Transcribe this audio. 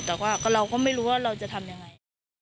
แต่ว่าเราก็ไม่รู้ว่าเราจะทำยังไง